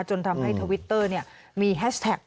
จนทำให้ทวิตเตอร์มีแฮชแท็ก